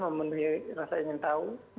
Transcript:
memenuhi rasa ingin tahu